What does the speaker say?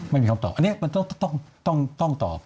ไม่มีคำตอบอันนี้มันต้องตอบ